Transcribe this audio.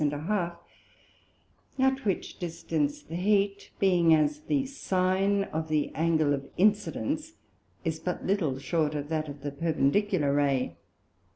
and a half; at which distance the Heat, being as the Sine of the Angle of Incidence, is but little short of that of the perpendicular Ray.